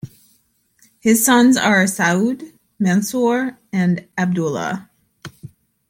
His sons are Saood, Mansoor and Abdulla.